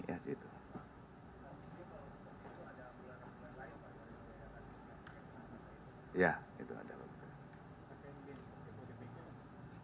ya itu ada pak